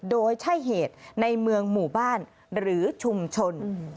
โดยใช่เหตุในเมืองหมู่บ้านหรือชุมชน